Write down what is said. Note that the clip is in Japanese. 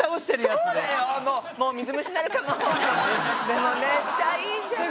でもめっちゃいいじゃん。